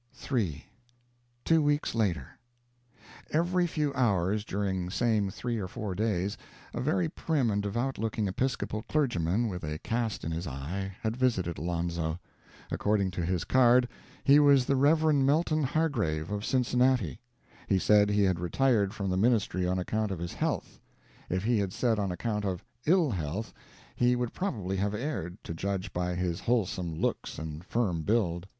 III Two weeks later. Every few hours, during same three or four days, a very prim and devout looking Episcopal clergyman, with a cast in his eye, had visited Alonzo. According to his card, he was the Rev. Melton Hargrave, of Cincinnati. He said he had retired from the ministry on account of his health. If he had said on account of ill health, he would probably have erred, to judge by his wholesome looks and firm build.